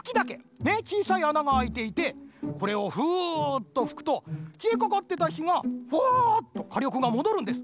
ちいさいあながあいていてこれをフーッとふくときえかかってたひがフワーッとかりょくがもどるんです。